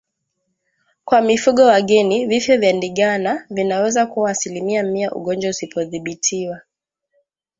Kwa mifugo wageni vifo vya Ndigana vinaweza kuwa asilimia mia ugonjwa usipodhibitiwa mapema